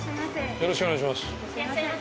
よろしくお願いします。